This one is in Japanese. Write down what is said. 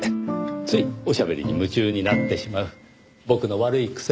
ついおしゃべりに夢中になってしまう僕の悪い癖。